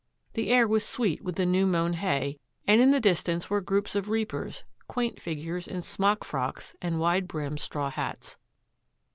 The air was sweet with the new mown hay, and in the distance were groups of reapers, quaint figures in smock frocks and wide brimmed straw hats.